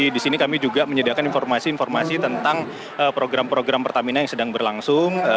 di sini kami juga menyediakan informasi informasi tentang program program pertamina yang sedang berlangsung